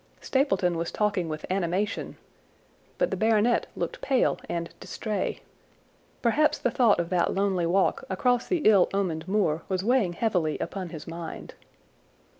Stapleton was talking with animation, but the baronet looked pale and distrait. Perhaps the thought of that lonely walk across the ill omened moor was weighing heavily upon his mind.